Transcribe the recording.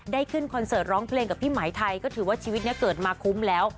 ขึ้นคอนเสิร์ตร้องเพลงกับพี่ไหมไทยก็ถือว่าชีวิตนี้เกิดมาคุ้มแล้ว